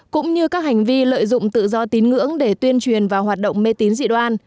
cũng như các hành vi lợi dụng tự do tín ngưỡng để tuyên truyền vào hoạt động mê tín dị đoan